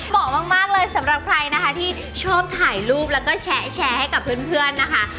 เหมาะมากเลยสำหรับใครนะคะที่ชอบถ่ายรูปแล้วก็แชร์ให้กับเพื่อนนะคะ